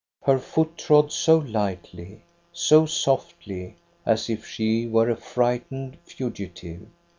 Her foot trod so lightly, so softly, as if she were a frightened fugitive.